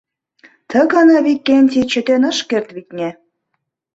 Ты гана Викентий чытен ыш керт, витне.